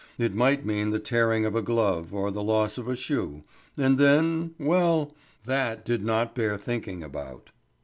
It might mean the tearing of a glove or the loss of a shoe, and then well, that did not bear thinking about.